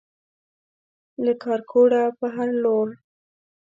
له کارکوړه پر هر لور